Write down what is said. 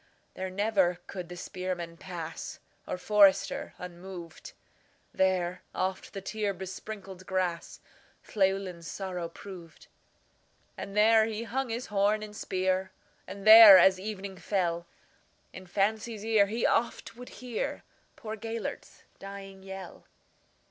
There never could the spearman pass, Or forester, unmoved; There oft the tear besprinkled grassLlewelyn's sorrow proved. And there he hung his horn and spear, And there, as evening fell, In fancy's ear he oft would hearPoor Gêlert's dying yell.